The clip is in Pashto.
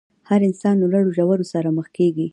هر انسان له لوړو ژورو سره مخ کېږي.